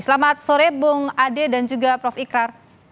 selamat sore bung ade dan juga prof ikrar